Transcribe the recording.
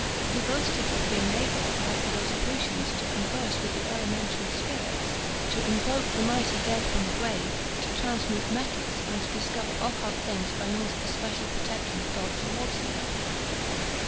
He boasted of being able, like the Rosicrucians, to converse with the elementary spirits; to invoke the mighty dead from the grave, to transmute metals, and to discover occult things by means of the special protection of God towards him.